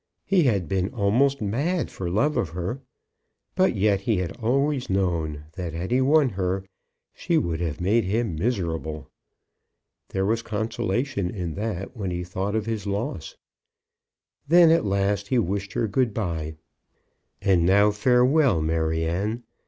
He had been almost mad for love of her. But yet he had always known, that had he won her she would have made him miserable. There was consolation in that when he thought of his loss. Then, at last, he wished her good by. "And now farewell, Maryanne.